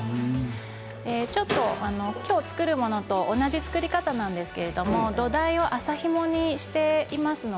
ちょっと今日、作るものと同じ作り方なんですけど土台を麻ひもにしています。